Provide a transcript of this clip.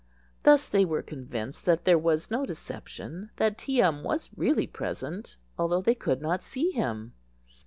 Thus they were convinced that there was no deception—that Tee am was really present, although they could not see him.